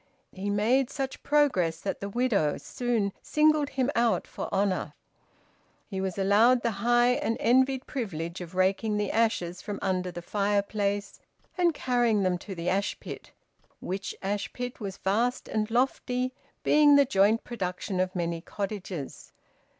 He made such progress that the widow soon singled him out for honour. He was allowed the high and envied privilege of raking the ashes from under the fire place and carrying them to the ash pit, which ash pit was vast and lofty, being the joint production of many cottages.